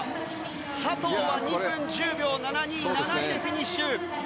佐藤は２分１０秒７２で７位フィニッシュ。